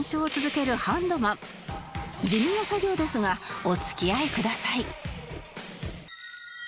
地味な作業ですがお付き合いください